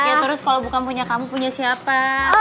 iya terus kalau bukan punya kamu punya siapa